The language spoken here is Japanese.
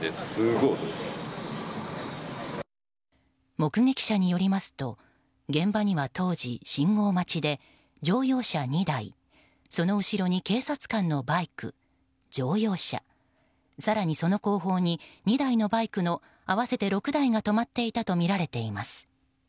目撃者によりますと現場には当時信号待ちで、乗用車２台その後ろに警察官のバイク乗用車、更に、その後方に２台のバイクの合わせて６台が止まっていたとみられています。